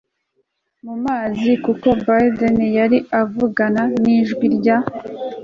mu mazi, kuko bindeh yari kuvugana n'ijwi rya